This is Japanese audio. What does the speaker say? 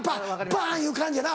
バン！いう感じやな。